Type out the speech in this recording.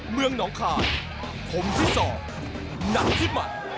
เมืองน้องคาผมที่สองนัทที่หมด